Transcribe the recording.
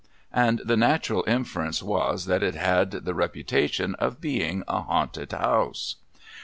And the natural inference was, that it had the reputation of being a haunted house.